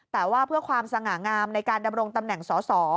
แต่ว่าเพื่อความสง่างามในการดำรงตำแหน่งสอสอ